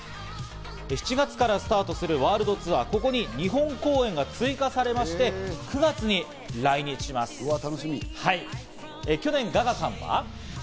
７月からスタートするワールドツアー、ここに日本公演が追加されまして、うわっ！